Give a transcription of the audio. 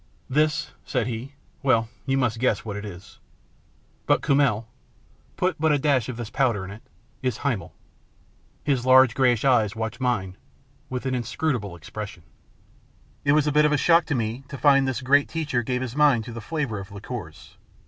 " This," said he " well, you must guess what it is. But Kummel put but a dash of this $4 THE PLATTNER STORY AND OTHERS powder in it is Himmel." His large greyish eyes watched mine with an inscrutable expression. It was a bit of a shock to me to find this great teacher gave his mind to the flavour of liqueurs.